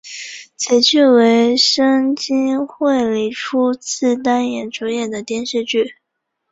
此剧为深津绘里初次担任主演的电视剧。